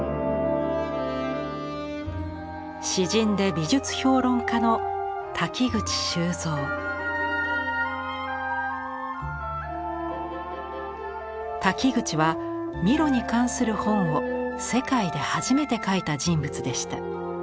詩人で美術評論家の瀧口はミロに関する本を世界で初めて書いた人物でした。